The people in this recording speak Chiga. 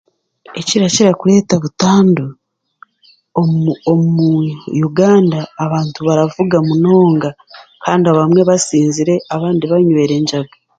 Ekirakira kureta butandu omu Uganda abaantu baravuga munonga kandi abamwe basinzire abandi banywire enjaga.